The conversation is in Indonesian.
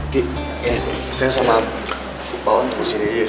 ki saya sama pak wanto disini yuk